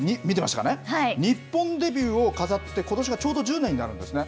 日本デビューを飾って、ことしがちょうど１０年になるんですね。